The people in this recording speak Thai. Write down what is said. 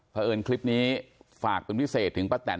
เพราะเอิญคลิปนี้ฝากเป็นพิเศษถึงป้าแตน